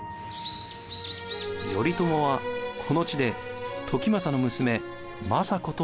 頼朝はこの地で時政の娘政子と出会います。